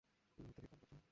তুমি অত্যাধিক কাজ করছ।